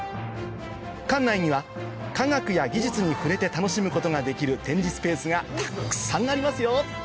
館内には科学や技術に触れて楽しむことができる展示スペースがたくさんありますよ！